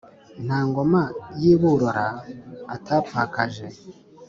nta ngoma y'i burora atapfakaje